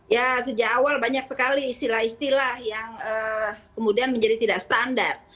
ya sejak awal banyak sekali istilah istilah yang kemudian menjadi tidak standar